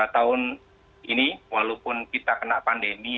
tahun ini walaupun kita kena pandemi